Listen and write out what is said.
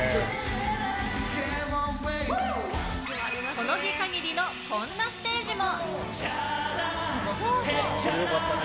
この日限りのこんなステージも。